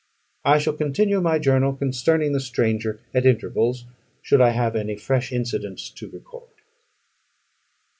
I shall continue my journal concerning the stranger at intervals, should I have any fresh incidents to record.